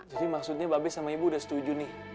jadi maksudnya babe sama ibu udah setuju nih